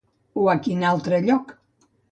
O a quin altre lloc?